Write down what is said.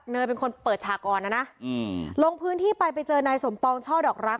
เป็นคนเปิดฉากรนะนะลงพื้นที่ไปไปเจอนายสมปองช่อดอกรัก